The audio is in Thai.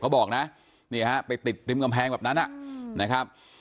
เขาบอกนะนี่ฮะไปติดริมกำแพงแบบนั้นนะครับ